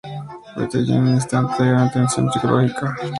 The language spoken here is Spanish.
Watteau llena el instante de gran tensión psicológica.